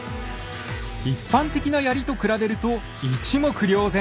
一般的な槍と比べると一目瞭然！